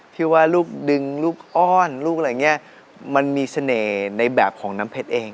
ที่ว่ารูปดึงรูปอ้อนรูปอะไรอย่างนี้มันมีเสน่ห์ในแบบของน้ำเพชรเอง